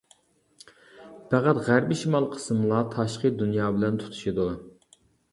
پەقەت غەربىي شىمال قىسمىلا تاشقى دۇنيا بىلەن تۇتىشىدۇ.